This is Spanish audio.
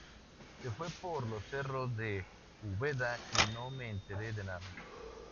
Se fue por los cerros de Úbeda y no me enteré de nada